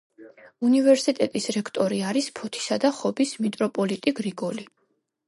უნივერსიტეტის რექტორი არის ფოთისა და ხობის მიტროპოლიტი გრიგოლი.